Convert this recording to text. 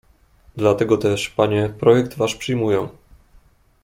"Dlatego też, panie, projekt wasz przyjmuję."